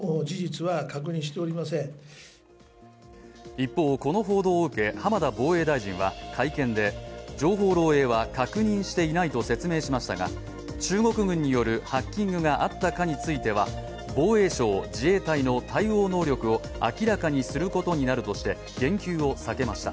一方、この報道を受け浜田防衛大臣は会見で情報漏えいは確認していないと説明しましたが中国軍によるハッキングがあったかについては防衛省・自衛隊の対応能力を明らかにすることになるとして言及を避けました。